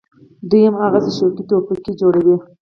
دوى هماغسې شوقي ټوپکې جوړوي.